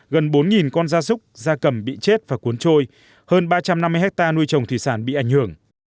gần bốn con da súc da cầm bị chết và cuốn trôi hơn ba trăm năm mươi hectare nuôi trồng thủy sản bị ảnh hưởng